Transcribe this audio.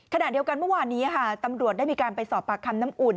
ขณะเดียวกันเมื่อวานนี้ค่ะตำรวจได้มีการไปสอบปากคำน้ำอุ่น